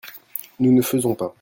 Nous ne faisons pas.